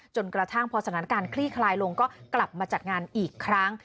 จนกระทั่งพอสถานการณ์คลี่คลายลงก็กลับมาจัดงานอีกครั้ง